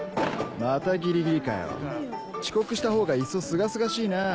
またギリギリかよ遅刻したほうがいっそすがすがしいなぁ。